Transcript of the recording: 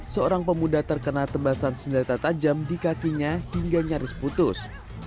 seorang pemuda terkena tebasan senjata tajam di kakinya hingga nyaris putus